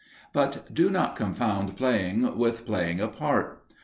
But do not confound playing with playing a part.